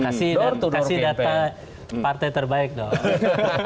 kasih data partai terbaik dong